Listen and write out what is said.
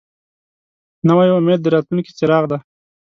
نوی امید د راتلونکي څراغ دی